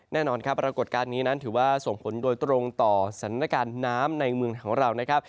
แน่นอนครับปรากฏการณ์นี้นั้นถือว่าส่งผลโดยตรงต่อสถานการณ์น้ำในเมืองของเรานะครับ